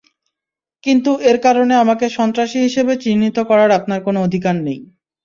কিন্তু এর কারণে আমাকে সন্ত্রাসী হিসেবে চিহ্নিত করার আপনার কোনো অধিকার নেই।